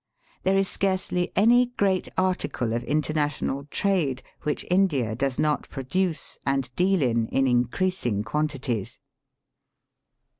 There is scarcely any great article of international trade which India does not produce and deal in in increasing quan tities.